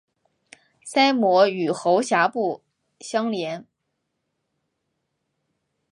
鳃膜与喉峡部相连。